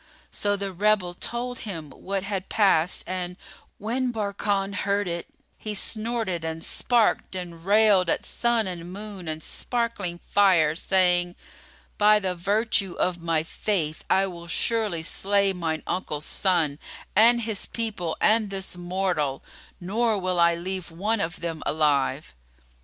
So the rebel told him what had passed and, when Barkan heard it, he snorted and snarked and railed at Sun and Moon and sparkling Fire, saying, "By the virtue of my faith, I will surely slay mine uncle's son and his people and this mortal, nor will I leave one of them alive!"